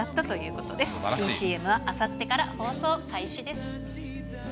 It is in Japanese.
このＣＭはあさってから放送開始です。